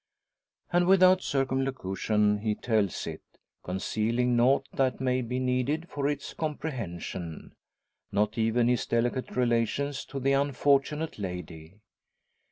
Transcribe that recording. And without circumlocution he tells it, concealing nought that may be needed for its comprehension not even his delicate relations to the unfortunate lady.